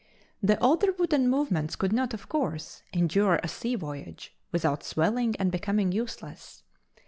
The older wooden movements could not, of course, endure a sea voyage without swelling and becoming useless.